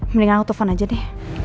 mendingan aku fan aja deh